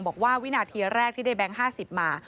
บอกว่าวินาทีแรกที่ได้แบงค์๕๐มา